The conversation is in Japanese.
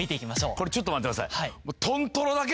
これちょっと待ってください。